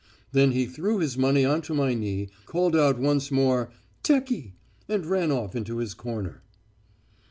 Then he threw his money on to my knee, called out once more teki and ran off into his corner.